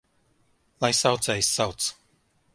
Lai saucējs sauc!